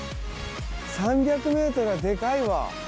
３００ｍはデカいわ。